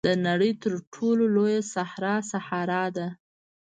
د نړۍ تر ټولو لویه صحرا سهارا ده.